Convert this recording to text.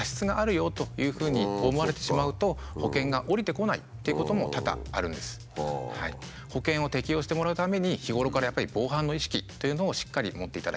例えばそういうことに関しても保険を適用してもらうために日頃からやっぱり防犯の意識というのをしっかり持っていただきたいですね。